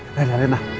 ntar ya rena